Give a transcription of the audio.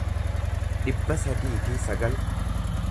dhibba sadii fi sagal